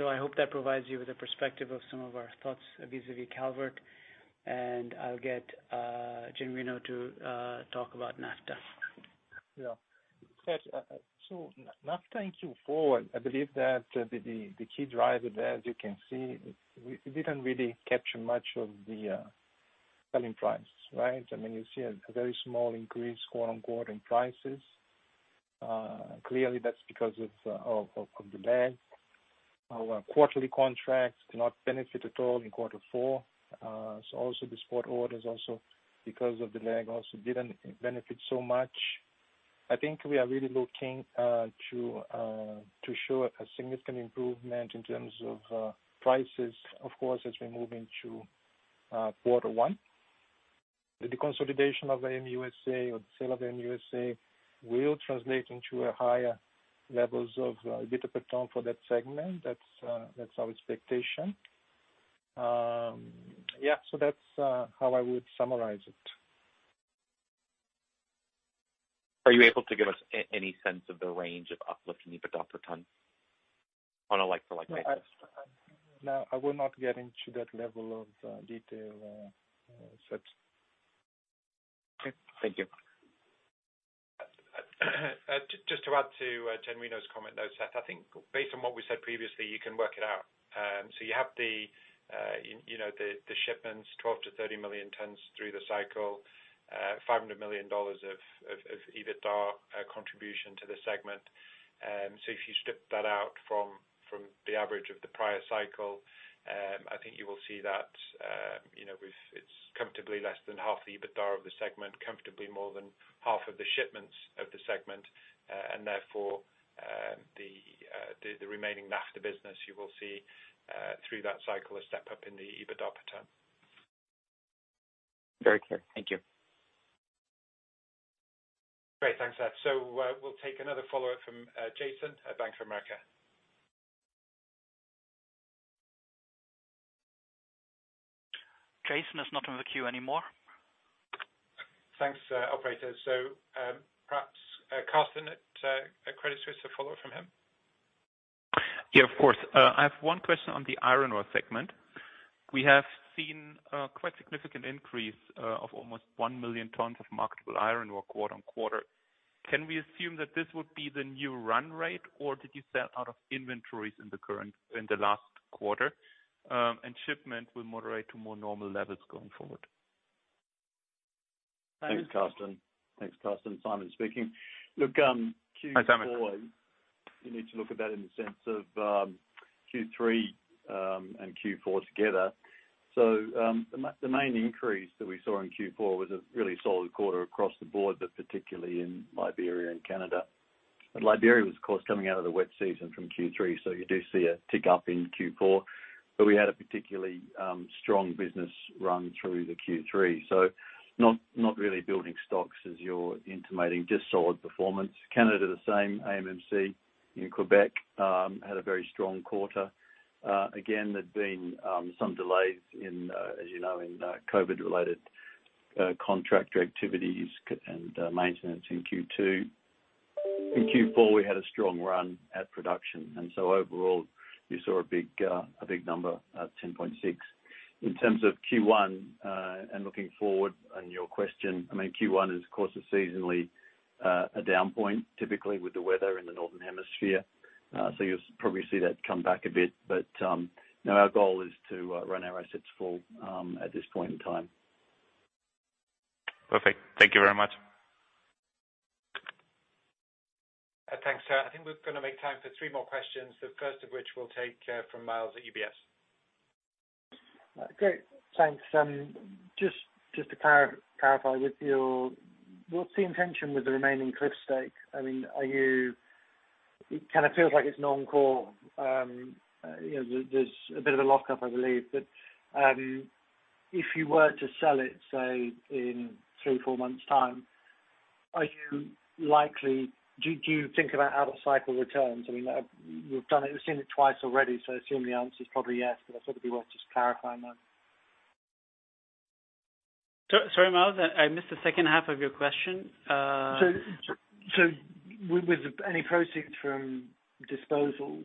I hope that provides you with a perspective of some of our thoughts vis-a-vis Calvert. I'll get Genuino to talk about NAFTA. Seth, NAFTA in Q4, I believe that the key driver there, as you can see, we didn't really capture much of the selling price, right? You see a very small increase quarter-on-quarter in prices. Clearly, that's because of the lag. Our quarterly contracts do not benefit at all in quarter four. Also the spot orders, also because of the lag, also didn't benefit so much. I think we are really looking to show a significant improvement in terms of prices, of course, as we move into quarter one. With the consolidation of AM USA or the sale of AM USA will translate into a higher levels of EBITDA per ton for that segment. That's our expectation. That's how I would summarize it. Are you able to give us any sense of the range of uplift in EBITDA per ton on a like for like basis? No, I will not get into that level of detail, Seth. Okay. Thank you. Just to add to Genuino's comment, though, Seth, I think based on what we said previously, you can work it out. You have the shipments, [12 million-30 million tons] through the cycle, $500 million of EBITDA contribution to the segment. If you strip that out from the average of the prior cycle, I think you will see that it's comfortably less than half the EBITDA of the segment, comfortably more than half of the shipments of the segment, and therefore, the remaining NAFTA business you will see through that cycle a step up in the EBITDA per ton. Very clear. Thank you. Great. Thanks, Seth. We'll take another follow-up from Jason at Bank of America. Jason is not on the queue anymore. Thanks, operator. Perhaps Carsten at Credit Suisse, a follow-up from him. Yeah, of course. I have one question on the iron ore segment. We have seen a quite significant increase of almost 1 million tons of marketable iron ore quarter-on-quarter. Can we assume that this would be the new run rate, or did you sell out of inventories in the last quarter, and shipment will moderate to more normal levels going forward? Thanks, Carsten. Simon speaking. Look, Q4. Hi, Simon. You need to look at that in the sense of Q3 and Q4 together. The main increase that we saw in Q4 was a really solid quarter across the board, but particularly in Liberia and Canada. Liberia was, of course, coming out of the wet season from Q3, so you do see a tick up in Q4. We had a particularly strong business run through the Q3, so not really building stocks as you're intimating, just solid performance. Canada, the same, AMMC in Quebec, had a very strong quarter. Again, there'd been some delays in, as you know, in COVID related contract activities and maintenance in Q2. In Q4, we had a strong run at production, and so overall, you saw a big number at 10.6. In terms of Q1, looking forward on your question, I mean, Q1 is of course, a seasonally, a down point typically with the weather in the northern hemisphere. You'll probably see that come back a bit. No, our goal is to run our assets full, at this point in time. Perfect. Thank you very much. Thanks, sir. I think we're gonna make time for three more questions, the first of which we'll take from Myles at UBS. Great. Thanks. Just to clarify with you, what's the intention with the remaining Cliffs stake? It kind of feels like it's non-core. There's a bit of a lockup, I believe. If you were to sell it, say, in three, four months' time, do you think about out of cycle returns? You've seen it twice already, so I assume the answer is probably yes, but I thought it'd be worth just clarifying that. Sorry, Myles, I missed the second half of your question. With any proceeds from disposals,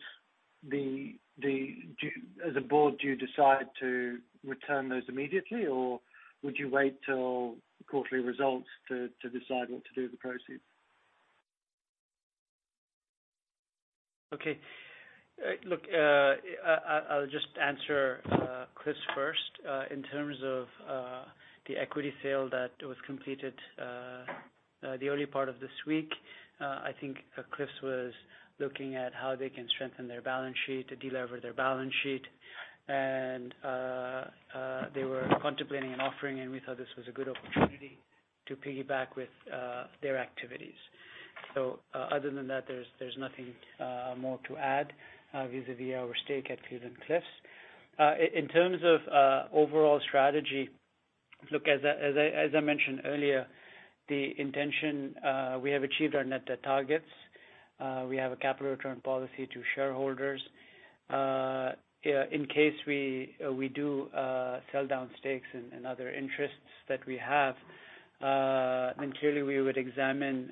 as a board, do you decide to return those immediately, or would you wait till quarterly results to decide what to do with the proceeds? Okay. Look, I'll just answer Cliffs first. In terms of the equity sale that was completed the early part of this week, I think Cliffs was looking at how they can strengthen their balance sheet, to delever their balance sheet. They were contemplating an offering, and we thought this was a good opportunity to piggyback with their activities. Other than that, there's nothing more to add vis-a-vis our stake at [Clevs] and Cliffs. In terms of overall strategy, look, as I mentioned earlier, we have achieved our net debt targets. We have a capital return policy to shareholders. In case we do sell down stakes in other interests that we have, then clearly we would examine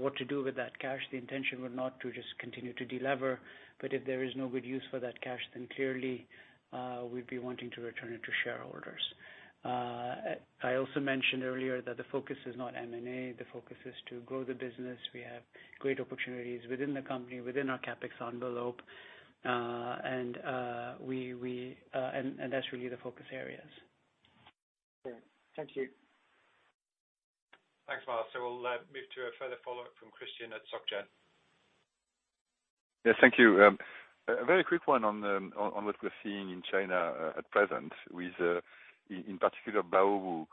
what to do with that cash. The intention would not to just continue to delever, but if there is no good use for that cash, then clearly, we'd be wanting to return it to shareholders. I also mentioned earlier that the focus is not M&A. The focus is to grow the business. We have great opportunities within the company, within our CapEx envelope, and that's really the focus areas. Great. Thank you. Thanks, Myles. We'll move to a further follow-up from Christian at SocGen. Yes. Thank you. A very quick one on what we're seeing in China at present with, in particular, Baowu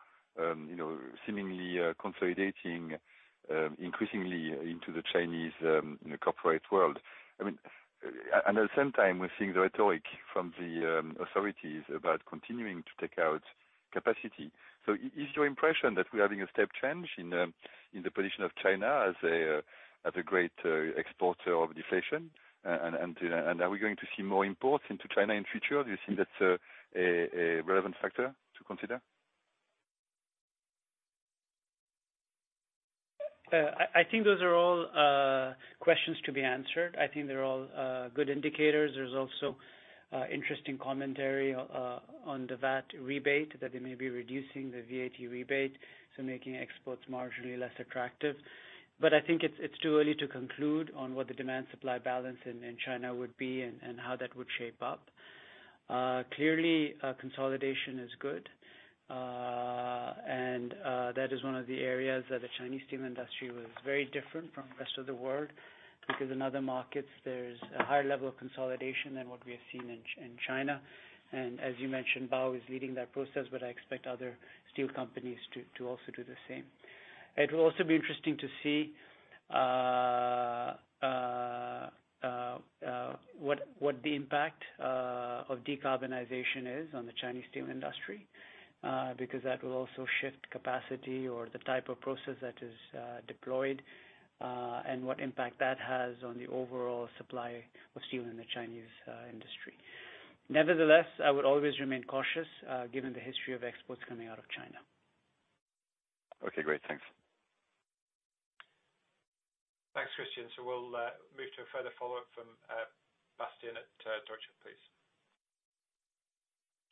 seemingly consolidating increasingly into the Chinese corporate world. At the same time, we're seeing the rhetoric from the authorities about continuing to take out capacity. Is your impression that we're having a step change in the position of China as a great exporter of deflation? Are we going to see more imports into China in future? Do you think that's a relevant factor to consider? I think those are all questions to be answered. I think they're all good indicators. There's also interesting commentary on the VAT rebate, that they may be reducing the VAT rebate, so making exports marginally less attractive. I think it's too early to conclude on what the demand-supply balance in China would be and how that would shape up. Clearly, consolidation is good, and that is one of the areas that the Chinese steel industry was very different from rest of the world, because in other markets, there's a higher level of consolidation than what we have seen in China. As you mentioned, Baowu is leading that process, but I expect other steel companies to also do the same. It will also be interesting to see what the impact of decarbonization is on the Chinese steel industry, because that will also shift capacity or the type of process that is deployed, and what impact that has on the overall supply of steel in the Chinese industry. Nevertheless, I would always remain cautious, given the history of exports coming out of China. Okay, great. Thanks. Thanks, Christian. We'll move to a further follow-up from Bastian at Deutsche, please.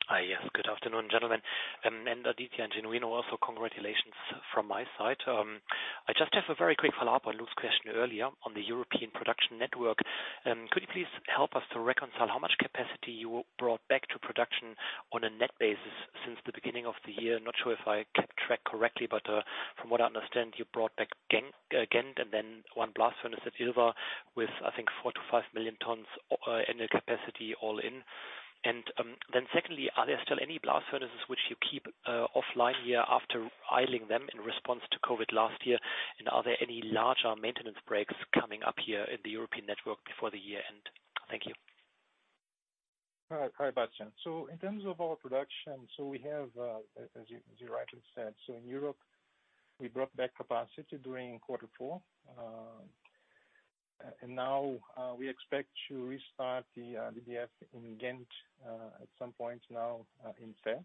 Hi, yes. Good afternoon, gentlemen, and Aditya and Genuino also, congratulations from my side. I just have a very quick follow-up on Luke. Earlier on the European production network, could you please help us to reconcile how much capacity you brought back to production on a net basis since the beginning of the year? Not sure if I kept track correctly, but from what I understand, you brought back Ghent and then one blast furnace at Ilva with, I think, 4 to 5 million tons annual capacity all in. Secondly, are there still any blast furnaces which you keep offline here after idling them in response to COVID last year? Are there any larger maintenance breaks coming up here in the European network before the year-end? Thank you. Hi, Bastian. In terms of our production, as you rightly said, in Europe, we brought back capacity during quarter four. Now we expect to restart the BF in Ghent at some point now in Feb.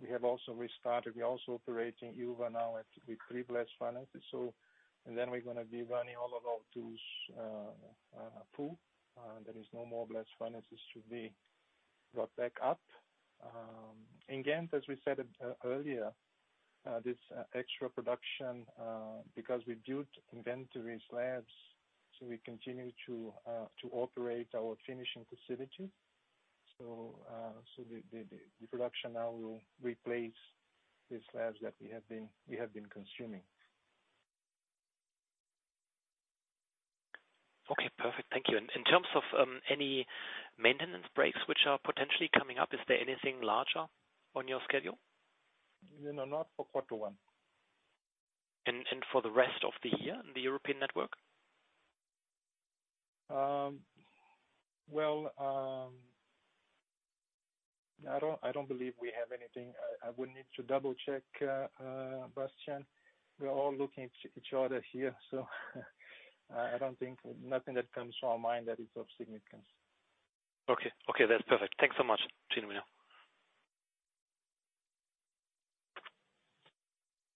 We have also restarted. We are also operating Ilva now with three blast furnaces. Then we are going to be running all of our tools pool. There is no more blast furnaces to be brought back up. In Ghent, as we said earlier, this extra production because we built inventories slabs, so we continue to operate our finishing facility. The production now will replace the slabs that we have been consuming. Okay, perfect. Thank you. In terms of any maintenance breaks which are potentially coming up, is there anything larger on your schedule? No, not for quarter one. For the rest of the year in the European network? Well, I don't believe we have anything. I would need to double-check, Bastian. We are all looking at each other here, so I don't think nothing that comes to our mind that is of significance. Okay. That's perfect. Thanks so much. See you, Mittal.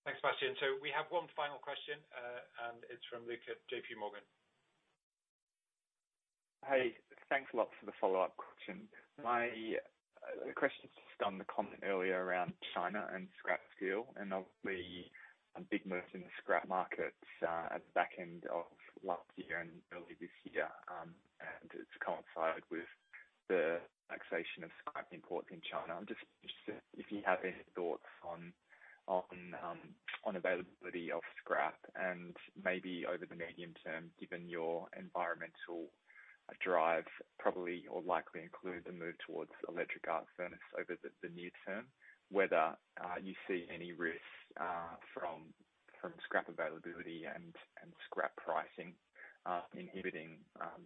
Thanks, Bastian. We have one final question, and it's from Luke at JPMorgan. Hey, thanks a lot for the follow-up question. My question is just on the comment earlier around China and scrap steel. Obviously a big move in the scrap markets at the back end of last year and early this year. It's coincided with the relaxation of scrap imports in China. I'm just interested if you have any thoughts on availability of scrap and maybe over the medium term, given your environmental drive probably or likely include the move towards electric arc furnace over the near term, whether you see any risks from scrap availability and scrap pricing inhibiting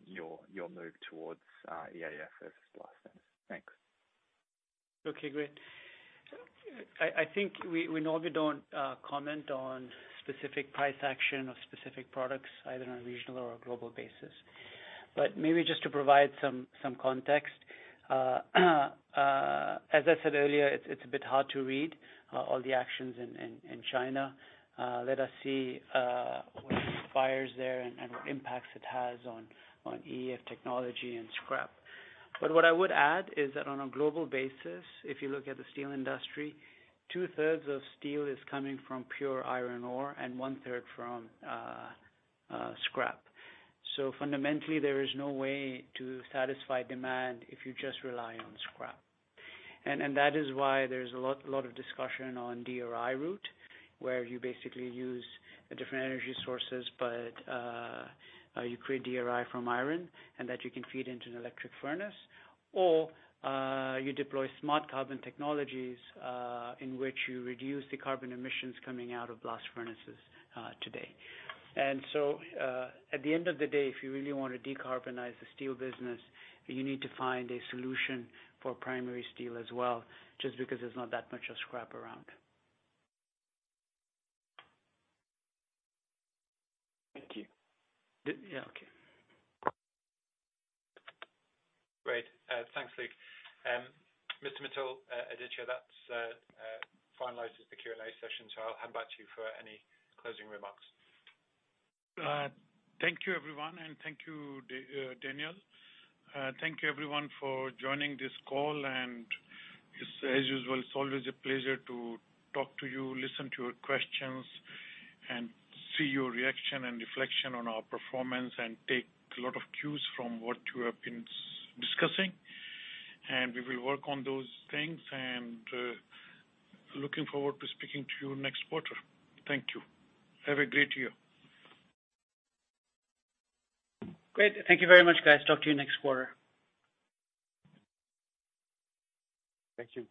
your move towards EAF versus blast furnace. Thanks. Okay, great. I think we normally don't comment on specific price action of specific products, either on a regional or a global basis. Maybe just to provide some context, as I said earlier, it's a bit hard to read all the actions in China. Let us see what inspires there and what impacts it has on EAF technology and scrap. What I would add is that on a global basis, if you look at the steel industry, two-thirds of steel is coming from pure iron ore and one-third from scrap. Fundamentally, there is no way to satisfy demand if you just rely on scrap. That is why there's a lot of discussion on DRI route, where you basically use different energy sources, but you create DRI from iron and that you can feed into an electric furnace, or you deploy Smart Carbon technologies, in which you reduce the carbon emissions coming out of blast furnaces today. At the end of the day, if you really want to decarbonize the steel business, you need to find a solution for primary steel as well, just because there's not that much of scrap around. Thank you. Yeah, okay. Great. Thanks, Luke. Mr. Mittal, Aditya, that finalizes the Q&A session, so I'll hand back to you for any closing remarks. Thank you, everyone, thank you, Daniel. Thank you everyone for joining this call, as usual, it's always a pleasure to talk to you, listen to your questions, and see your reaction and reflection on our performance and take a lot of cues from what you have been discussing. We will work on those things, and looking forward to speaking to you next quarter. Thank you. Have a great year. Great. Thank you very much, guys. Talk to you next quarter. Thank you.